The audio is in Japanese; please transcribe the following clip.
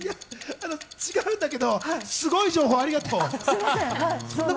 違うんだけど、すごい情報ありがとう。